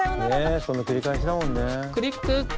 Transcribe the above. ねえその繰り返しだもんね。